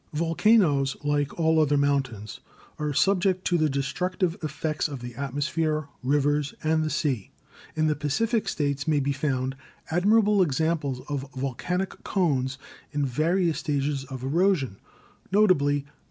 Volcanoes, like all other mountains, are subject to the destructive effects of the atmosphere, rivers, and the sea. In the Pacific States may be found admirable examples of volcanic cones in various stages of erosion, notably Mt.